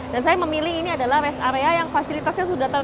dan saya memilih ini adalah rest area yang fasilitasnya sudah berhasil